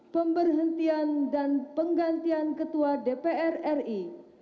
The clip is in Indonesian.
pemberhentian dan penggantian ketua dpr ri